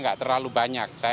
itulah volumenya yang cantik